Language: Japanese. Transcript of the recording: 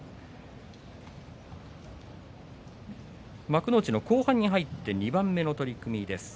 幕内の後半に入って２番目の取組です。